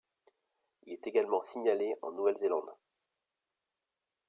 Il est également signalé en Nouvelle-Zélande.